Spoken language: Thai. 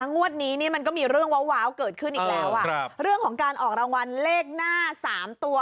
งวดนี้มันก็มีเรื่องว้าวเกิดขึ้นอีกแล้วเรื่องของการออกรางวัลเลขหน้า๓ตัว